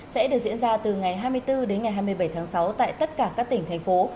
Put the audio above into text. sẽ được diễn ra từ ngày hai mươi bốn đến ngày hai mươi bảy tháng sáu tại tất cả các tỉnh thành phố